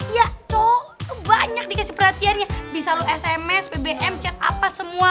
ya tuh banyak dikasih perhatiannya bisa lo sms bbm chat apa semua